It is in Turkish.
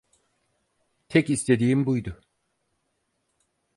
Tek istediğim buydu.